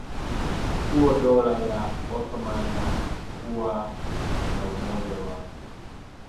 huo Dola ya Ottoman haikuwa na umoja wa